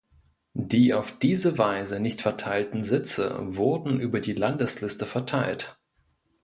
Die auf diese Weise nicht verteilten Sitze wurden über die Landesliste verteilt.